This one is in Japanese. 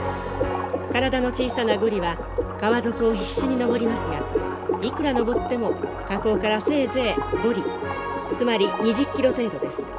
体の小さなゴリは川底を必死に上りますがいくら上っても河口からせいぜい５里つまり２０キロ程度です。